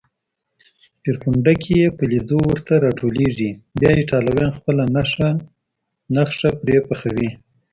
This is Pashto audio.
سپېرکونډکې یې په لېدو ورته راټولېږي، بیا ایټالویان خپله نښه پرې پخوي.